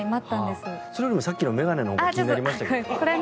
それよりさっきの眼鏡のほうが気になったんですが。